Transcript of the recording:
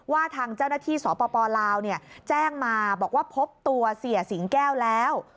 ทางเจ้าหน้าที่สปลาวแจ้งมาบอกว่าพบตัวเสียสิงแก้วแล้ว